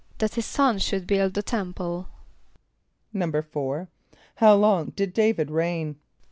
=That his son should build the temple.= =4.= How long did D[=a]´vid reign?